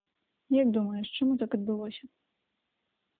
Як думаеш, чаму так адбылося?